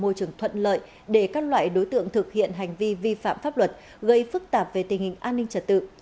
môi trường thuận lợi để các loại đối tượng thực hiện hành vi vi phạm pháp luật gây phức tạp về tình hình an ninh trật tự